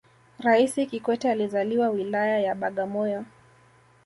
raisi kikwete alizaliwa wilaya ya bagamoyo